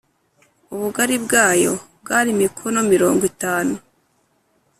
ubugari bwayo bwari mikono mirongo itanu